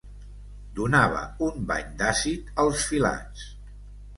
Donava un bany d'àcid als filats.